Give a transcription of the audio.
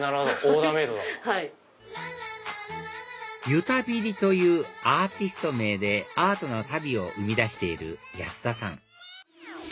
「ゆ足袋り」というアーティスト名でアートな足袋を生み出している安田さん